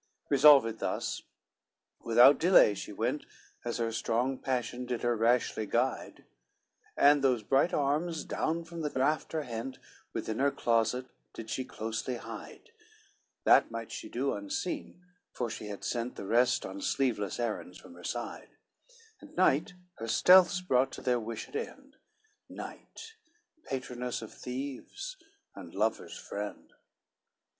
LXXXIX Resolved thus, without delay she went, As her strong passion did her rashly guide, And those bright arms, down from the rafter hent, Within her closet did she closely hide; That might she do unseen, for she had sent The rest, on sleeveless errands from her side, And night her stealths brought to their wished end, Night, patroness of thieves, and lovers' friend.